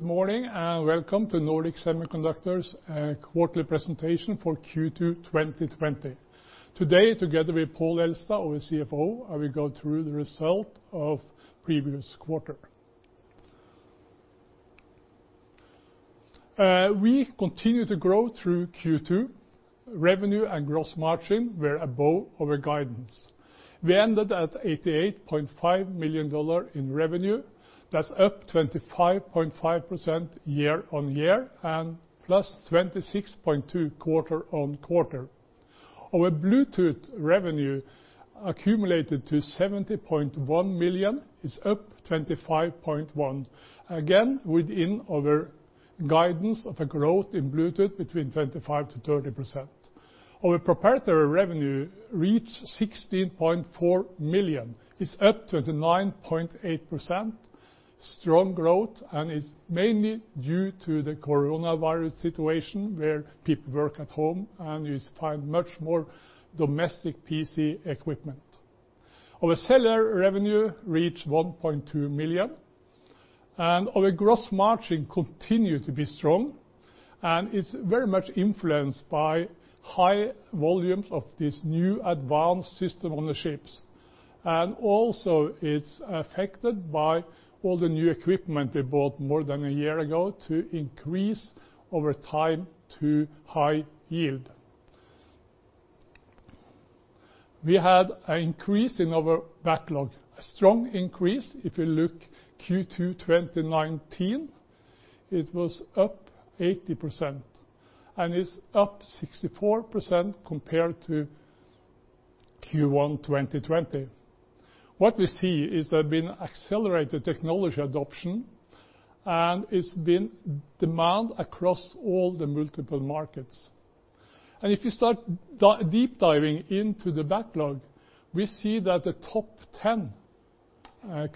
Good morning, welcome to Nordic Semiconductor's quarterly presentation for Q2 2020. Today, together with Pål Elstad, our CFO, I will go through the result of the previous quarter. We continue to grow through Q2. Revenue and gross margin were above our guidance. We ended at $88.5 million in revenue. That's up 25.5% year-over-year and +26.2% quarter-over-quarter. Our Bluetooth revenue accumulated to $70.1 million, is up 25.1%, again, within our guidance of a growth in Bluetooth between 25%-30%. Our proprietary revenue reached $16.4 million. It's up 29.8%, strong growth, and is mainly due to the coronavirus situation, where people work at home and you find much more domestic PC equipment. Our cellular revenue reached $1.2 million, and our gross margin continued to be strong and is very much influenced by high volumes of these new advanced system-on-chips. Also, it's affected by all the new equipment we bought more than a year ago to increase our time to high yield. We had an increase in our backlog, a strong increase. If you look Q2 2019, it was up 80%, and it's up 64% compared to Q1 2020. What we see is there have been accelerated technology adoption, and it's been in demand across all the multiple markets. If you start deep diving into the backlog, we see that the top 10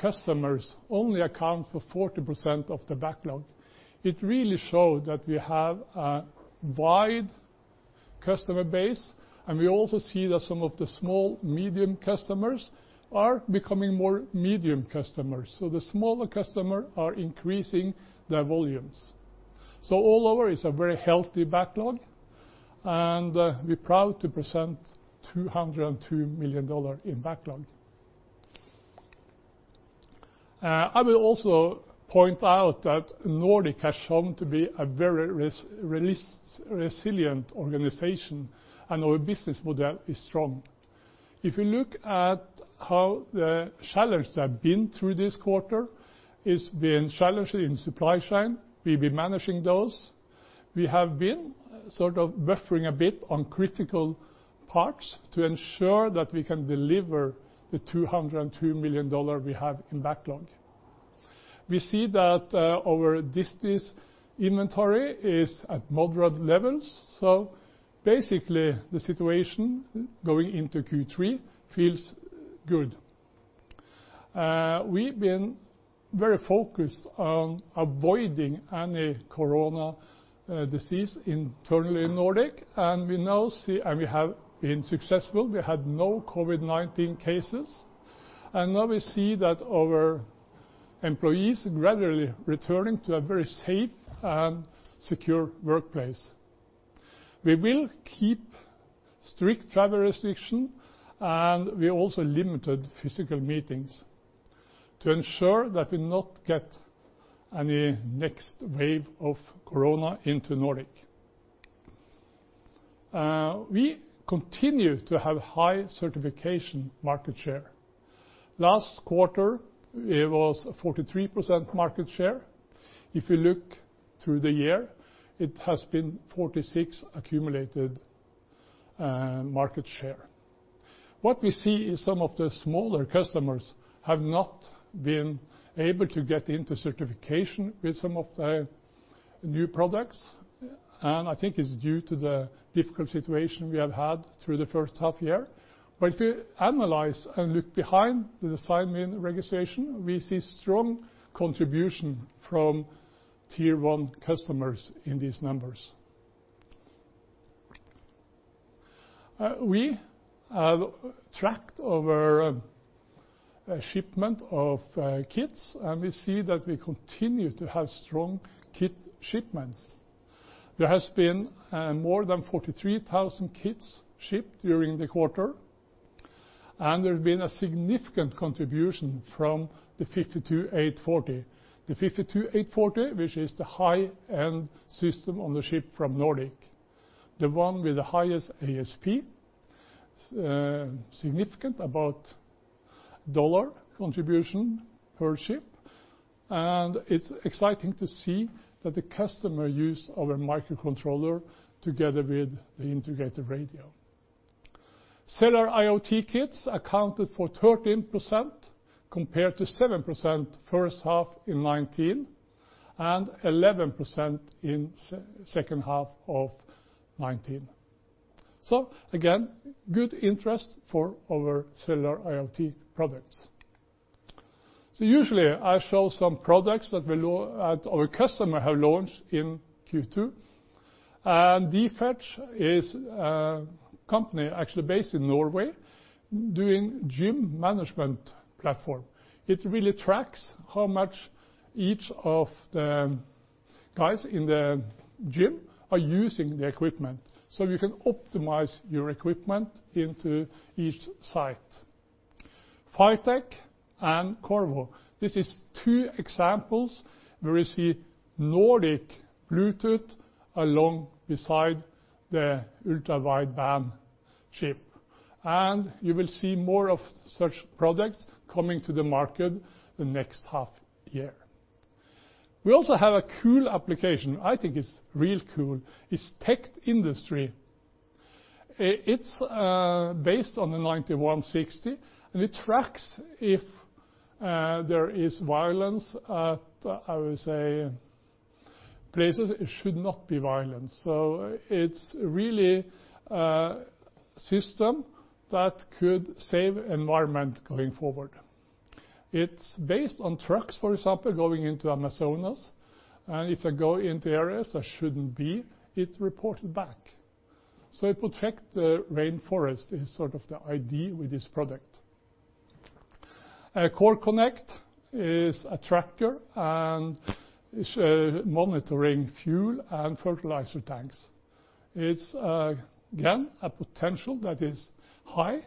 customers only account for 40% of the backlog. It really shows that we have a wide customer base, and we also see that some of the small-medium customers are becoming more medium customers. The smaller customers are increasing their volumes. All over, it's a very healthy backlog, and we're proud to present $202 million in backlog. I will also point out that Nordic has shown to be a very resilient organization, and our business model is strong. If you look at how the challenges have been through this quarter, it's been challenging in supply chain. We've been managing those. We have been sort of buffering a bit on critical parts to ensure that we can deliver the $202 million we have in backlog. Basically, the situation going into Q3 feels good. We've been very focused on avoiding any COVID-19 internally in Nordic. We have been successful. We had no COVID-19 cases. Now we see that our employees gradually returning to a very safe and secure workplace. We will keep strict travel restriction. We also limited physical meetings to ensure that we not get any next wave of COVID-19 into Nordic. We continue to have high certification market share. Last quarter, it was 43% market share. If you look through the year, it has been 46 accumulated market share. What we see is some of the smaller customers have not been able to get into certification with some of the new products, and I think it's due to the difficult situation we have had through the first half year. If we analyze and look behind the design win registration, we see strong contribution from tier 1 customers in these numbers. We have tracked our shipment of kits, and we see that we continue to have strong kit shipments. There has been more than 43,000 kits shipped during the quarter, and there's been a significant contribution from the nRF52840. The nRF52840, which is the high-end system-on-chip from Nordic Semiconductor, the one with the highest ASP, significant, about dollar contribution per chip. It is exciting to see that the customer use our microcontroller together with the integrated radio. Cellular IoT kits accounted for 13%, compared to 7% first half in 2019, 11% in second half of 2019. Again, good interest for our cellular IoT products. Usually, I show some products that our customer have launched in Q2. D-Fetch is a company actually based in Norway doing gym management platform. It really tracks how much each of the guys in the gym are using the equipment. You can optimize your equipment into each site. PHYTEC and Qorvo, this is two examples where you see Nordic Bluetooth along beside the ultra-wideband chip. You will see more of such products coming to the market the next half year. We also have a cool application, I think it's real cool, is Techt Industry. It's based on the 9160, and it tracks if there is violence at, I would say, places it should not be violent. It's really a system that could save environment going forward. It's based on trucks, for example, going into Amazonas, and if they go into areas that shouldn't be, it reported back. It protect the rainforest is sort of the idea with this product. Core Connect is a tracker, and it's monitoring fuel and fertilizer tanks. It's, again, a potential that is high,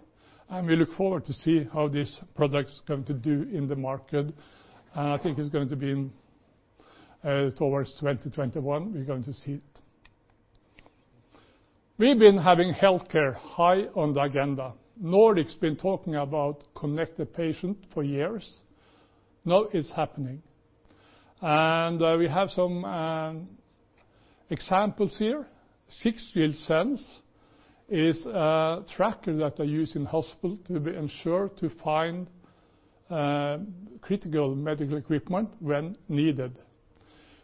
and we look forward to see how this product's going to do in the market. I think it's going to be towards 2021, we're going to see it. We've been having healthcare high on the agenda. Nordic's been talking about connected patient for years. Now it's happening. We have some examples here. Sixfield Sense is a tracker that they use in hospital to be ensured to find critical medical equipment when needed.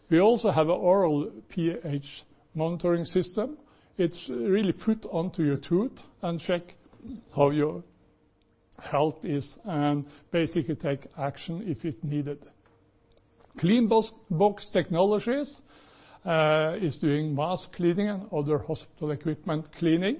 We also have a oral pH monitoring system. It's really put onto your tooth and check how your health is and basically take action if it's needed. Cleanbox Technology is doing mask cleaning and other hospital equipment cleaning.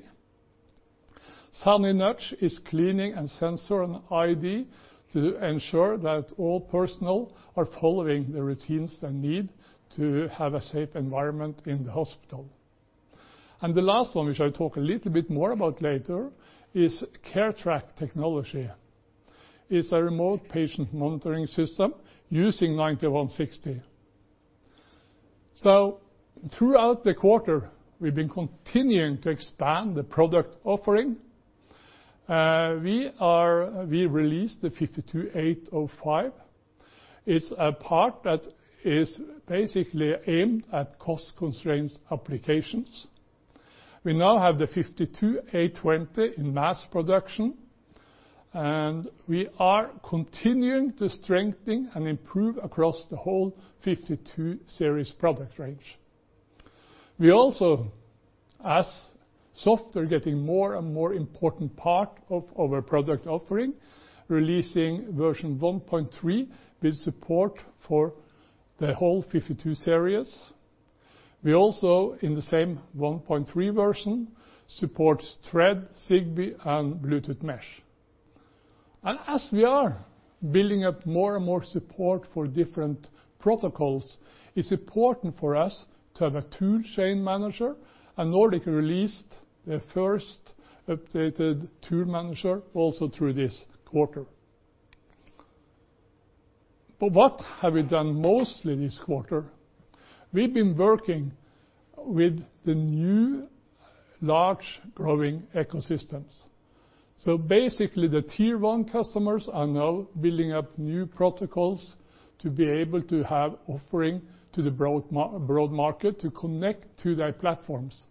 Saninurch is cleaning and sensor and ID to ensure that all personnel are following the routines they need to have a safe environment in the hospital. The last one, which I'll talk a little bit more about later, is ClearTrack Technology. It is a remote patient monitoring system using 9160. Throughout the quarter, we've been continuing to expand the product offering. We released the 52805. It's a part that is basically aimed at cost constraints applications. We now have the nRF52820 in mass production, and we are continuing to strengthening and improve across the whole nRF52 Series product range. We also, as software, getting more and more important part of our product offering, releasing version 1.3 with support for the whole nRF52 Series. We also, in the same 1.3 version, supports Thread, Zigbee, and Bluetooth Mesh. As we are building up more and more support for different protocols, it's important for us to have a tool chain manager, and Nordic released their first updated tool manager also through this quarter. What have we done mostly this quarter? We've been working with the new large growing ecosystems. Basically, the tier 1 customers are now building up new protocols to be able to have offering to the broad market to connect to their platforms.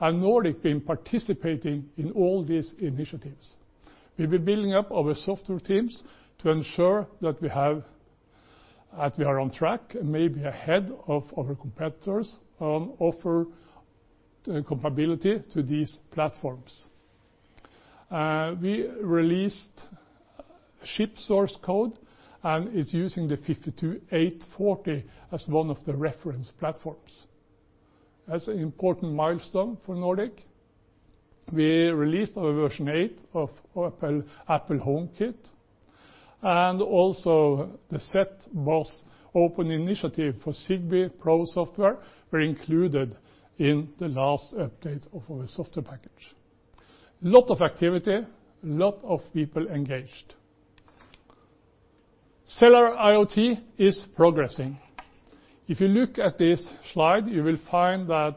Nordic been participating in all these initiatives. We've been building up our software teams to ensure that we are on track, and may be ahead of our competitors on offer comparability to these platforms. We released Project CHIP source code, and it's using the nRF52840 as one of the reference platforms. That's an important milestone for Nordic. We released our version 8 of Apple HomeKit, and also the set was open initiative for Zigbee Pro software were included in the last update of our software package. Lot of activity, lot of people engaged. cellular IoT is progressing. If you look at this slide, you will find that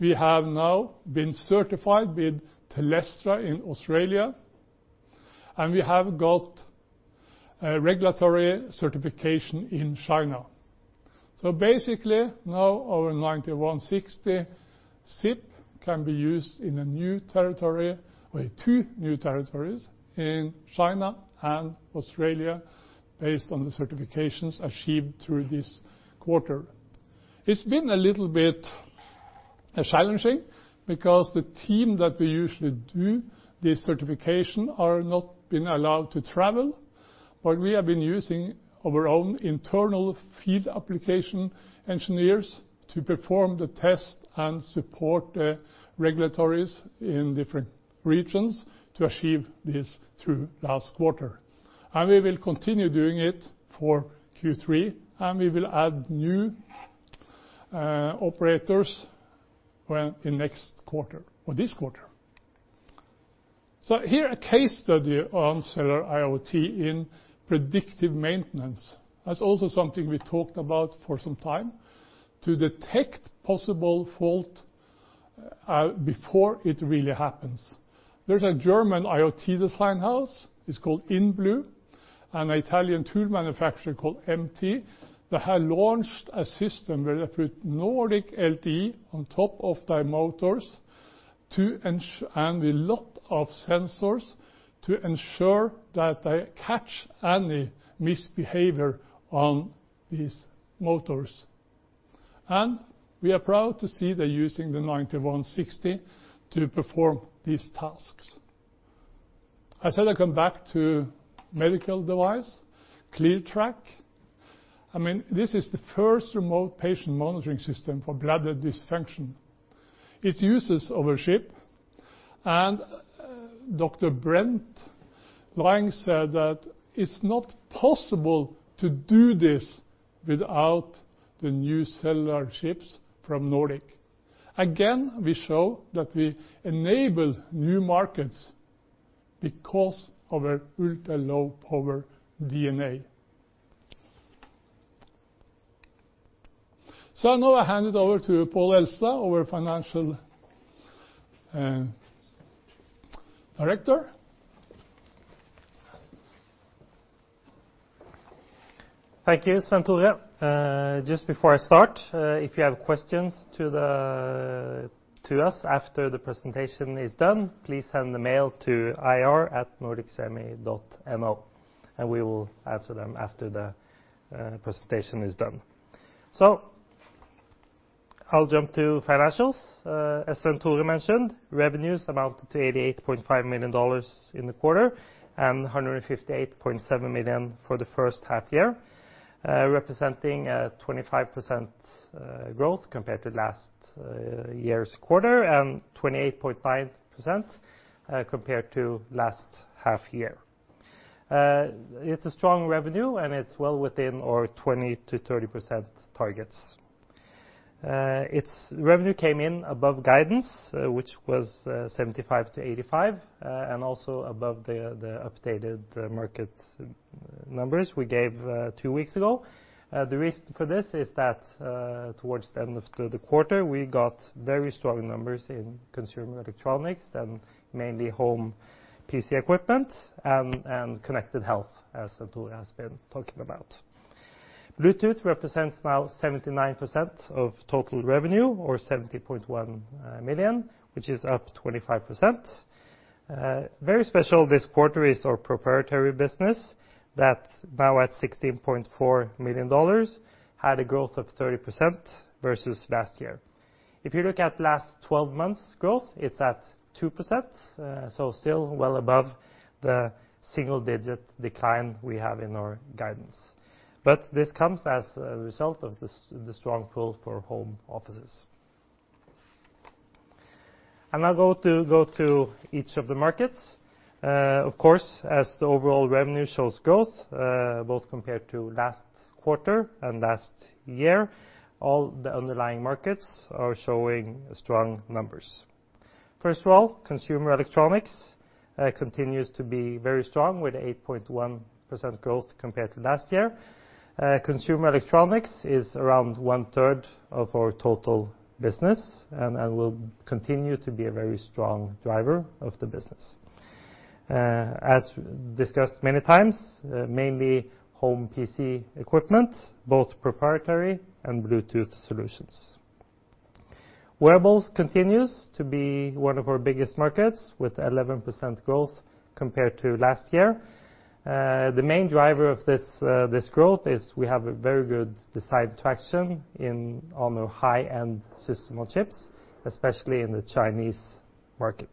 we have now been certified with Telstra in Australia, and we have got a regulatory certification in China. Basically, now our nRF9160 SiP can be used in a new territory, or two new territories, in China and Australia based on the certifications achieved through this quarter. It's been a little bit challenging because the team that we usually do this certification are not been allowed to travel, but we have been using our own internal field application engineers to perform the test and support the regulatories in different regions to achieve this through last quarter. We will continue doing it for Q3, and we will add new operators in next quarter, or this quarter. Here, a case study on cellular IoT in predictive maintenance. That's also something we talked about for some time, to detect possible fault before it really happens. There's a German IoT design house, it's called InBlue, an Italian tool manufacturer called MT. They have launched a system where they put Nordic LTE on top of their motors, and a lot of sensors to ensure that they catch any misbehavior on these motors. We are proud to see they're using the 9160 to perform these tasks. I said I'd come back to medical device. ClearTrac, this is the first remote patient monitoring system for bladder dysfunction. It uses our chip. Dr. Brent Lang said that it's not possible to do this without the new cellular chips from Nordic. Again, we show that we enable new markets because of our ultra-low power DNA. Now I hand it over to Pål Elstad, our financial director. Thank you, Svenn-Tore. Just before I start, if you have questions to us after the presentation is done, please send the mail to ir@nordicsemi.no, and we will answer them after the presentation is done. I'll jump to financials. As Svenn-Tore mentioned, revenues amounted to $88.5 million in the quarter, and $158.7 million for the first half year, representing a 25% growth compared to last year's quarter, and 28.9% compared to last half year. It's a strong revenue, and it's well within our 20%-30% targets. Revenue came in above guidance, which was $75 million-$85 million, and also above the updated market numbers we gave two weeks ago. The reason for this is that, towards the end of the quarter, we got very strong numbers in consumer electronics, and mainly home PC equipment and connected health, as Svenn-Tore has been talking about. Bluetooth represents now 79% of total revenue or 70.1 million, which is up 25%. Very special this quarter is our proprietary business that, now at $16.4 million, had a growth of 30% versus last year. If you look at last 12 months growth, it's at 2%, so still well above the single-digit decline we have in our guidance. This comes as a result of the strong pull for home offices. I'll go to each of the markets. Of course, as the overall revenue shows growth, both compared to last quarter and last year, all the underlying markets are showing strong numbers. First of all, consumer electronics continues to be very strong, with 8.1% growth compared to last year. Consumer electronics is around 1/3 of our total business, and will continue to be a very strong driver of the business. As discussed many times, mainly home PC equipment, both proprietary and Bluetooth solutions. Wearables continues to be one of our biggest markets, with 11% growth compared to last year. The main driver of this growth is we have a very good design traction on our high-end system-on-chips, especially in the Chinese market.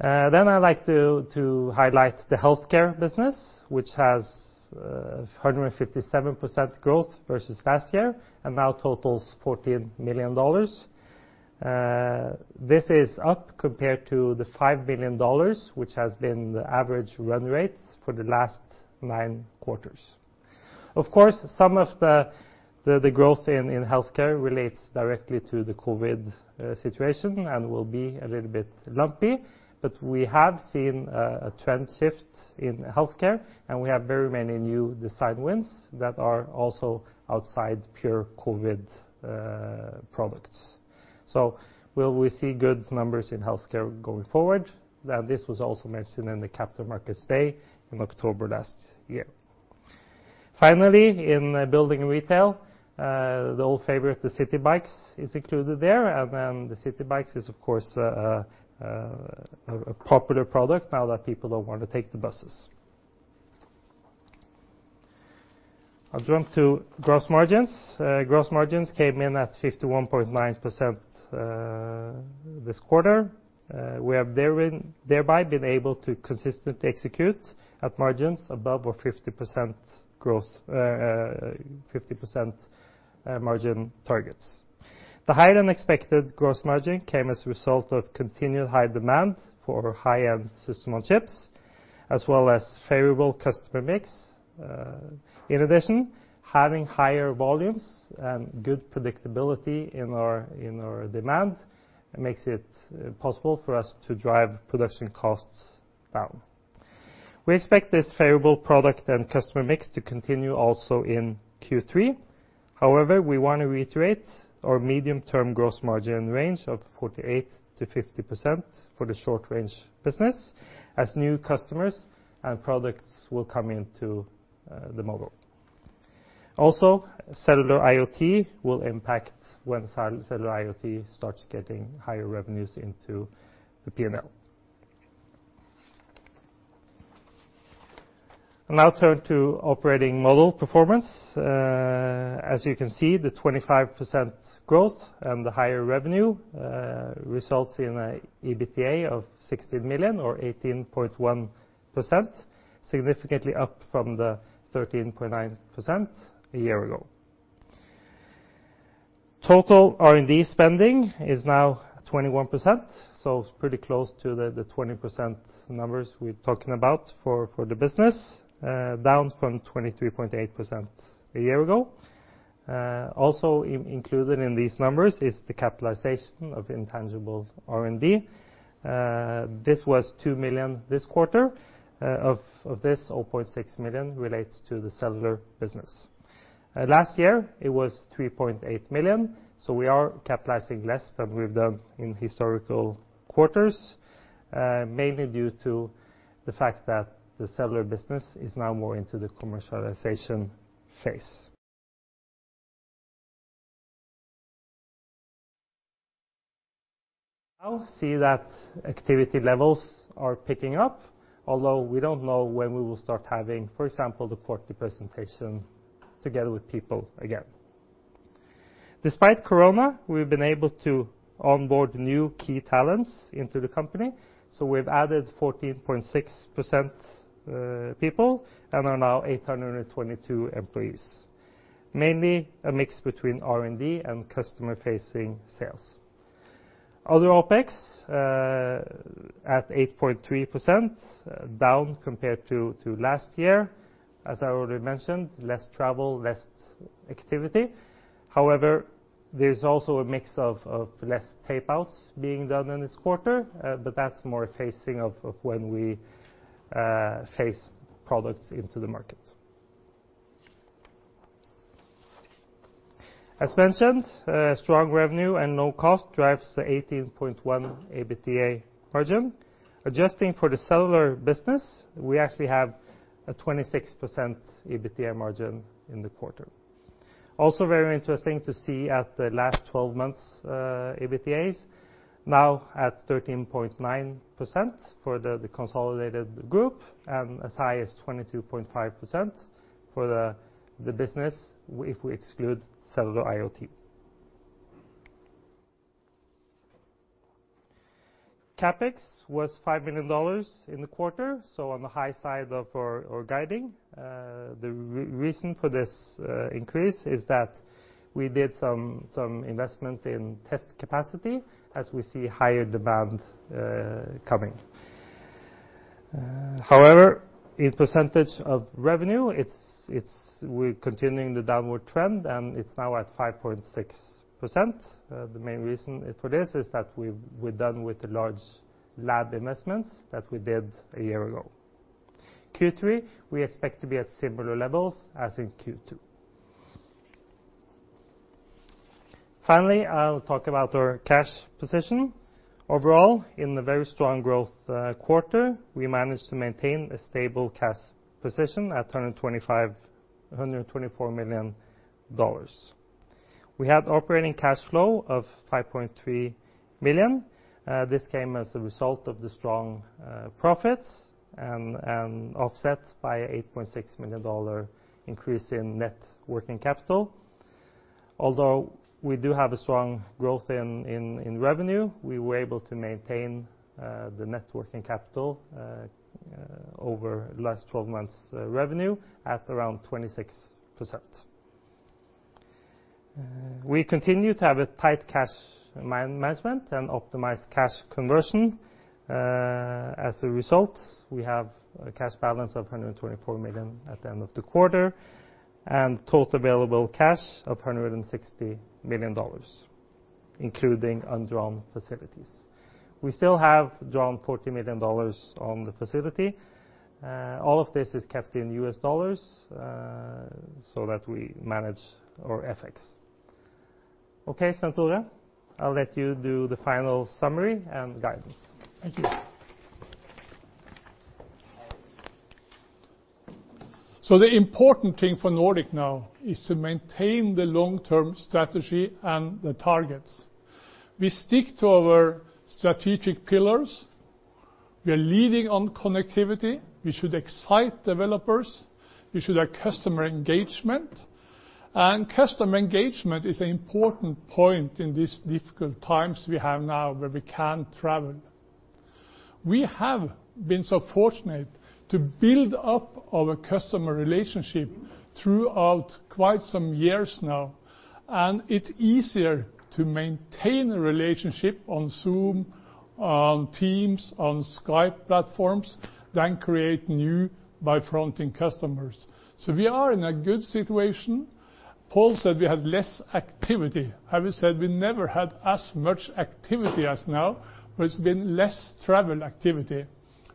I'd like to highlight the healthcare business, which has 157% growth versus last year and now totals $14 million. This is up compared to the $5 million, which has been the average run rate for the last nine quarters. Of course, some of the growth in healthcare relates directly to the COVID situation and will be a little bit lumpy. We have seen a trend shift in healthcare, and we have very many new design wins that are also outside pure COVID products. Will we see good numbers in healthcare going forward? Now, this was also mentioned in the Capital Markets Day in October last year. Finally, in building and retail, the old favorite, the city bikes, is included there. The city bikes is, of course, a popular product now that people don't want to take the buses. I'll jump to gross margins. Gross margins came in at 51.9% this quarter. We have thereby been able to consistently execute at margins above our 50% margin targets. The higher-than-expected gross margin came as a result of continued high demand for high-end system-on-chips, as well as favorable customer mix. In addition, having higher volumes and good predictability in our demand makes it possible for us to drive production costs down. We expect this favorable product and customer mix to continue also in Q3. We want to reiterate our medium-term gross margin range of 48%-50% for the short-range business as new customers and products will come into the model. Cellular IoT will impact when cellular IoT starts getting higher revenues into the P&L. I'll now turn to operating model performance. As you can see, the 25% growth and the higher revenue results in an EBITDA of $16 million or 18.1%, significantly up from the 13.9% a year ago. Total R&D spending is now 21%, it's pretty close to the 20% numbers we're talking about for the business, down from 23.8% a year ago. Included in these numbers is the capitalization of intangible R&D. This was $2 million this quarter. Of this, $0.6 million relates to the cellular business. Last year, it was 3.8 million, we are capitalizing less than we've done in historical quarters, mainly due to the fact that the cellular business is now more into the commercialization phase. We see that activity levels are picking up, although we don't know when we will start having, for example, the quarterly presentation together with people again. Despite COVID-19, we've been able to onboard new key talents into the company, we've added 14.6% people and are now 822 employees. Mainly a mix between R&D and customer-facing sales. Other OPEX at 8.3%, down compared to last year. As I already mentioned, less travel, less activity. There's also a mix of less payouts being done in this quarter, that's more a phasing of when we phase products into the market. As mentioned, strong revenue and low cost drives the 18.1% EBITDA margin. Adjusting for the cellular business, we actually have a 26% EBITDA margin in the quarter. Also very interesting to see at the last 12 months, EBITDA is now at 13.9% for the consolidated group and as high as 22.5% for the business if we exclude cellular IoT. CapEx was $5 million in the quarter, so on the high side of our guiding. The reason for this increase is that we did some investments in test capacity as we see higher demand coming. However, in percentage of revenue, we are continuing the downward trend, and it is now at 5.6%. The main reason for this is that we are done with the large lab investments that we did a year ago. Q3, we expect to be at similar levels as in Q2. Finally, I will talk about our cash position. Overall, in the very strong growth quarter, we managed to maintain a stable cash position at $124 million. We had operating cash flow of $5.3 million. This came as a result of the strong profits and offset by $8.6 million increase in net working capital. Although we do have a strong growth in revenue, we were able to maintain the net working capital over the last 12 months' revenue at around 26%. We continue to have a tight cash management and optimized cash conversion. As a result, we have a cash balance of $124 million at the end of the quarter and total available cash of $160 million, including undrawn facilities. We still have drawn $40 million on the facility. All of this is kept in US dollars, so that we manage our FX. Okay, Tore, I'll let you do the final summary and guidance. Thank you. The important thing for Nordic now is to maintain the long-term strategy and the targets. We stick to our strategic pillars. We are leading on connectivity. We should excite developers, we should have customer engagement. Customer engagement is an important point in these difficult times we have now where we can't travel. We have been so fortunate to build up our customer relationship throughout quite some years now, and it's easier to maintain a relationship on Zoom, on Teams, on Skype platforms than create new by fronting customers. We are in a good situation. Pål said we had less activity. Have I said we never had as much activity as now, but it's been less travel activity.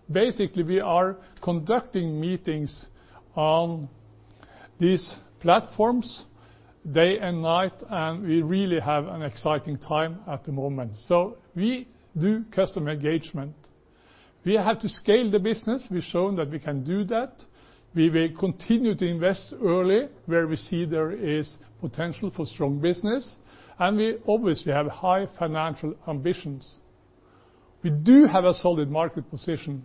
Basically, we are conducting meetings on these platforms day and night, and we really have an exciting time at the moment. We do customer engagement. We have to scale the business. We've shown that we can do that. We will continue to invest early where we see there is potential for strong business, and we obviously have high financial ambitions. We do have a solid market position.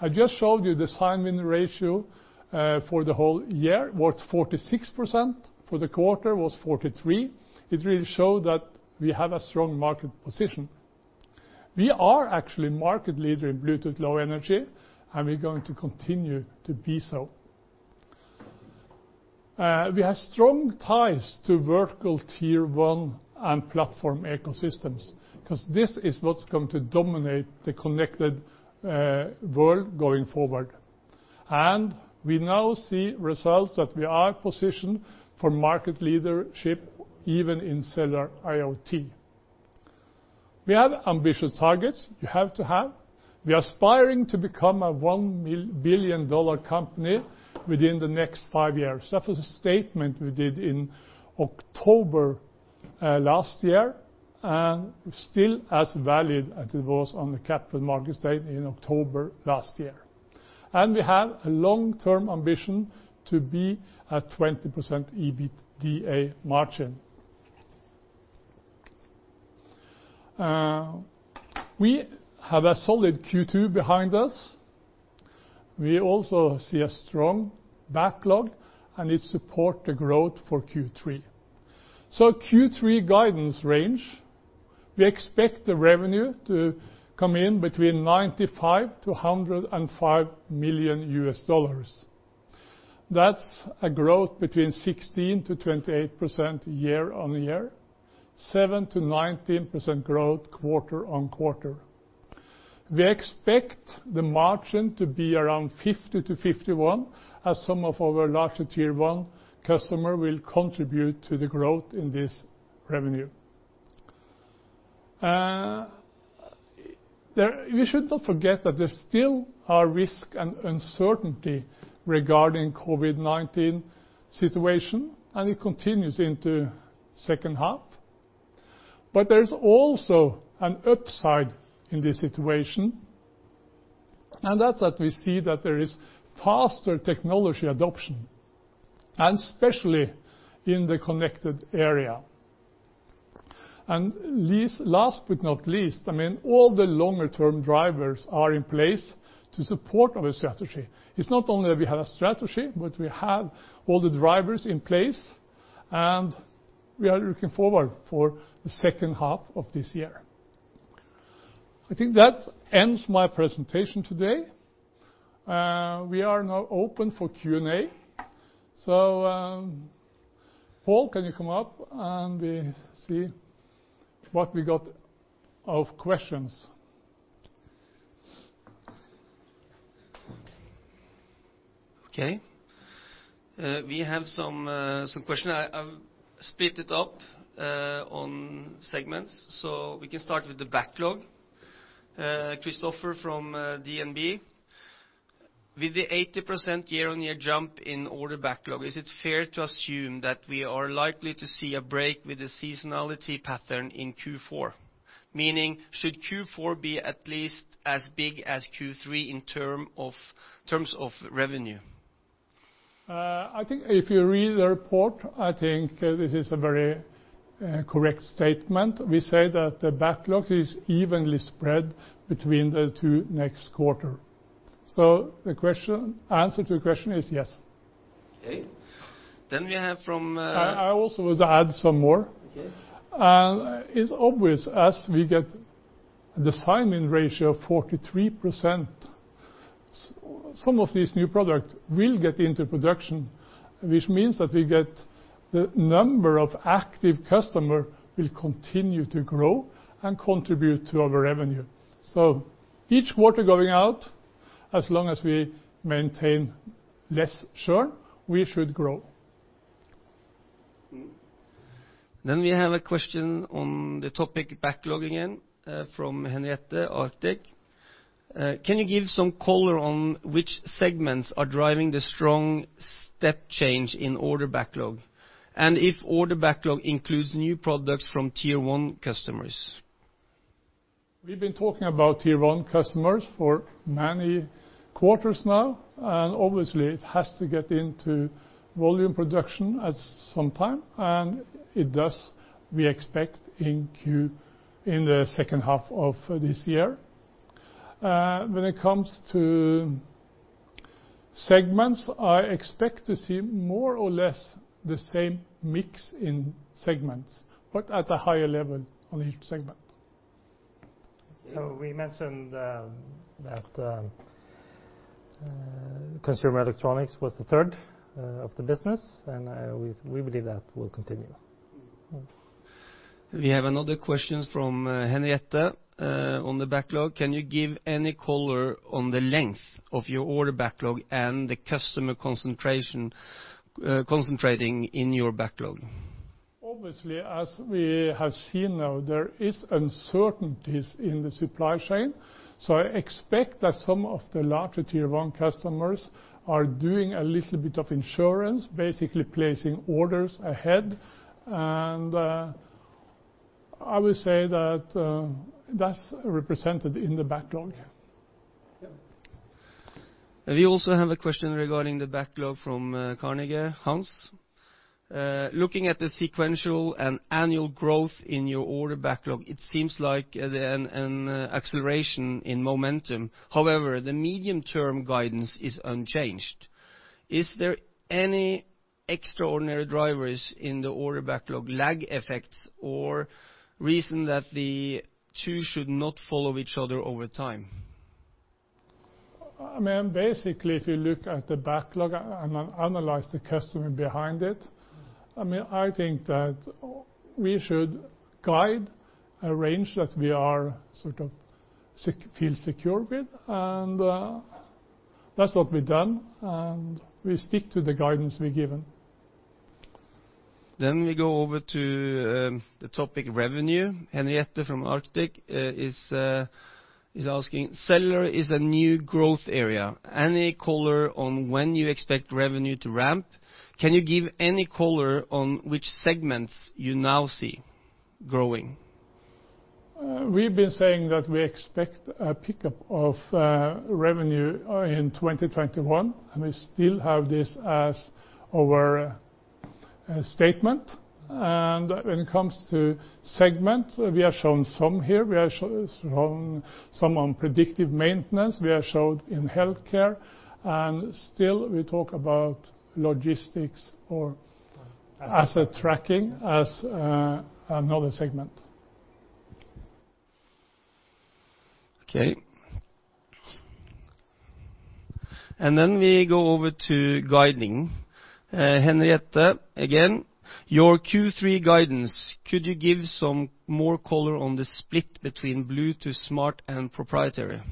I just showed you the design win ratio for the whole year, was 46%, for the quarter was 43%. It really show that we have a strong market position. We are actually market leader in Bluetooth Low Energy, and we're going to continue to be so. We have strong ties to vertical tier 1 and platform ecosystems, because this is what's going to dominate the connected world going forward. We now see results that we are positioned for market leadership, even in cellular IoT. We have ambitious targets. We have to have. We are aspiring to become a $1 billion company within the next five years. That was a statement we did in October last year, still as valid as it was on the capital market statement in October last year. We have a long-term ambition to be a 20% EBITDA margin. We have a solid Q2 behind us. We also see a strong backlog, it support the growth for Q3. Q3 guidance range, we expect the revenue to come in between $95 million-$105 million. That's a growth between 16%-28% year-on-year, 7%-19% growth quarter-on-quarter. We expect the margin to be around 50%-51%, as some of our larger tier 1 customer will contribute to the growth in this revenue. We should not forget that there still are risk and uncertainty regarding COVID-19 situation, it continues into second half. There's also an upside in this situation, and that's that we see that there is faster technology adoption, and especially in the connected area. Last but not least, all the longer-term drivers are in place to support our strategy. It's not only we have a strategy, but we have all the drivers in place, and we are looking forward for the second half of this year. I think that ends my presentation today. We are now open for Q&A. Pål, can you come up and we see what we got of questions? Okay. We have some questions. I've split it up on segments. We can start with the backlog. Christoffer from DNB. "With the 80% year-on-year jump in order backlog, is it fair to assume that we are likely to see a break with the seasonality pattern in Q4? Meaning should Q4 be at least as big as Q3 in terms of revenue? I think if you read the report, I think this is a very correct statement. We say that the backlog is evenly spread between the two next quarter. The answer to the question is yes. Okay. I also would add some more. Okay. It's obvious as we get the design win ratio of 43%, some of these new product will get into production, which means that we get the number of active customer will continue to grow and contribute to our revenue. Each quarter going out, as long as we maintain less churn, we should grow. We have a question on the topic backlog again from Henriette, Arctic. "Can you give some color on which segments are driving the strong step change in order backlog? And if order backlog includes new products from tier one customers? We've been talking about tier 1 customers for many quarters now, and obviously it has to get into volume production at some time, and it does, we expect, in the second half of this year. When it comes to segments, I expect to see more or less the same mix in segments, but at a higher level on each segment. We mentioned that consumer electronics was the third of the business, and we believe that will continue. We have another question from Henriette on the backlog. Can you give any color on the length of your order backlog and the customer concentrating in your backlog? Obviously, as we have seen now, there is uncertainties in the supply chain. I expect that some of the larger tier one customers are doing a little bit of insurance, basically placing orders ahead. I would say that's represented in the backlog. Yeah. We also have a question regarding the backlog from Carnegie, Hans. Looking at the sequential and annual growth in your order backlog, it seems like an acceleration in momentum. However, the medium-term guidance is unchanged. Is there any extraordinary drivers in the order backlog lag effects or reason that the two should not follow each other over time? Basically, if you look at the backlog and analyze the customer behind it, I think that we should guide a range that we sort of feel secure with, and that's what we've done. We stick to the guidance we've given. We go over to the topic revenue. Henriette from Arctic is asking, cellular is a new growth area. Any color on when you expect revenue to ramp? Can you give any color on which segments you now see growing? We've been saying that we expect a pickup of revenue in 2021, we still have this as our statement. When it comes to segment, we have shown some here. We have shown some on predictive maintenance. We have showed in healthcare, and still we talk about logistics or asset tracking as another segment. Okay. We go over to guiding. Henriette again. Your Q3 guidance, could you give some more color on the split between Bluetooth Smart and proprietary?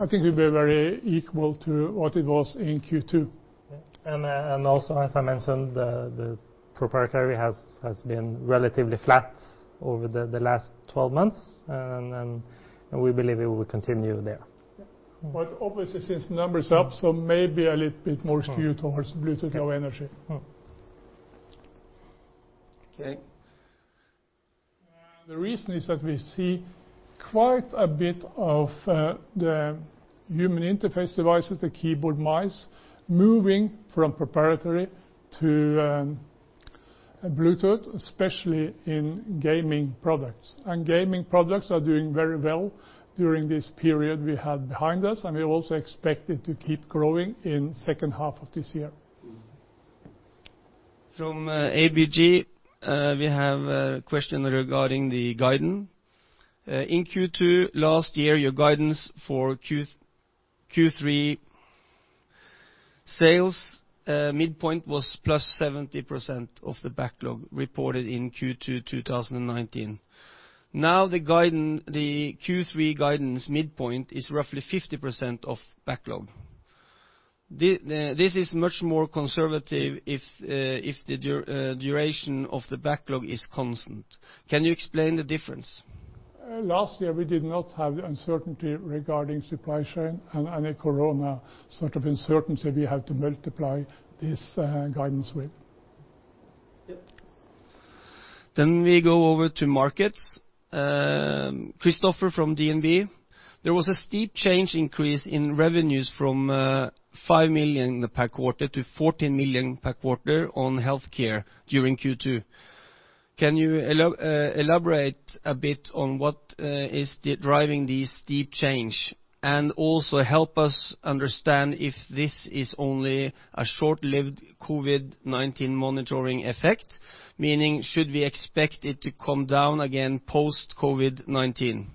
I think it will be very equal to what it was in Q2. Yeah. Also, as I mentioned, the proprietary has been relatively flat over the last 12 months, and we believe it will continue there. Yeah. Obviously, since the number's up, so maybe a little bit more skewed towards Bluetooth Low Energy. Okay. The reason is that we see quite a bit of the human interface devices, the keyboard, mice, moving from proprietary to Bluetooth, especially in gaming products. Gaming products are doing very well during this period we have behind us, and we also expect it to keep growing in second half of this year. From ABG, we have a question regarding the guidance. In Q2 last year, your guidance for Q3 sales midpoint was plus 70% of the backlog reported in Q2 2019. Now the Q3 guidance midpoint is roughly 50% of backlog. This is much more conservative if the duration of the backlog is constant. Can you explain the difference? Last year, we did not have the uncertainty regarding supply chain and any corona sort of uncertainty we have to multiply this guidance with. Yep. We go over to markets. Christoffer from DNB. There was a steep change increase in revenues from 5 million per quarter to 14 million per quarter on healthcare during Q2. Can you elaborate a bit on what is driving this steep change? Also help us understand if this is only a short-lived COVID-19 monitoring effect, meaning should we expect it to come down again post-COVID-19?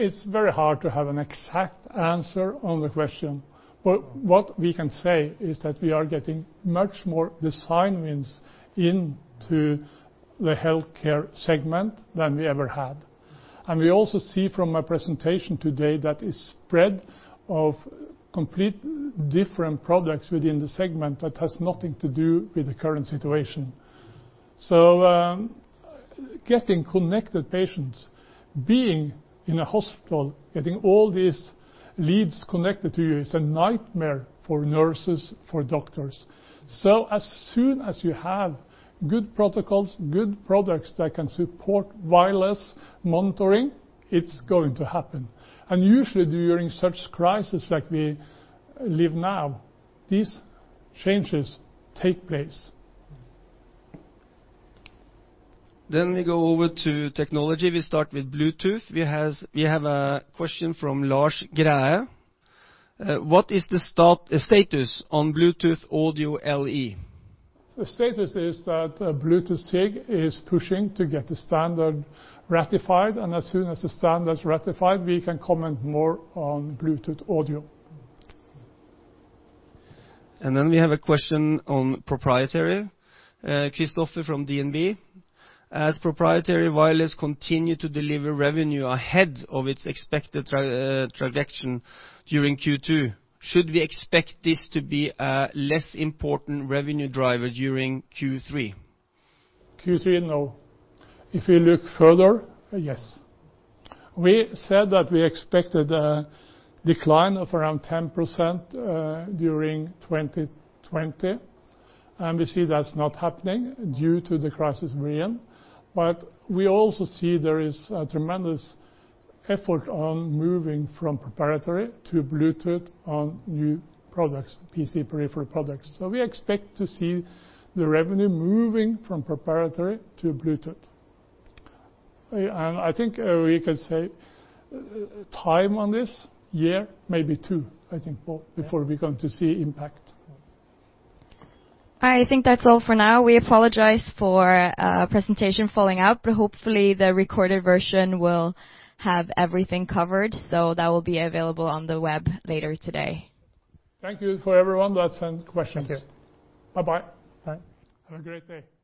It's very hard to have an exact answer on the question, but what we can say is that we are getting much more design wins into the healthcare segment than we ever had. We also see from my presentation today that is spread of complete different products within the segment that has nothing to do with the current situation. Getting connected patients, being in a hospital, getting all these leads connected to you is a nightmare for nurses, for doctors. As soon as you have good protocols, good products that can support wireless monitoring, it's going to happen. Usually during such crisis like we live now, these changes take place. We go over to technology. We start with Bluetooth. We have a question from Lars Gray. What is the status on Bluetooth LE Audio? The status is that Bluetooth SIG is pushing to get the standard ratified, and as soon as the standard's ratified, we can comment more on Bluetooth audio. We have a question on proprietary. Christoffer from DNB. As proprietary wireless continue to deliver revenue ahead of its expected trajectory during Q2, should we expect this to be a less important revenue driver during Q3? Q3, no. If we look further, yes. We said that we expected a decline of around 10% during 2020, and we see that's not happening due to the crisis we're in. We also see there is a tremendous effort on moving from proprietary to Bluetooth on new products, PC peripheral products. We expect to see the revenue moving from proprietary to Bluetooth. I think we could say time on this, year, maybe two, I think, Bo, before we're going to see impact. I think that's all for now. We apologize for presentation falling out. Hopefully the recorded version will have everything covered. That will be available on the web later today. Thank you for everyone that sent questions. Thank you. Bye-bye. Bye. Have a great day.